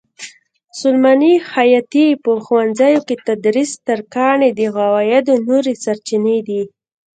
سلماني؛ خیاطي؛ په ښوونځیو کې تدریس؛ ترکاڼي د عوایدو نورې سرچینې دي.